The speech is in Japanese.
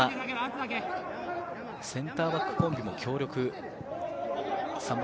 センターバックコンビも強力。